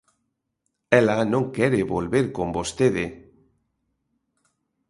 _Ela non quere volver con vostede...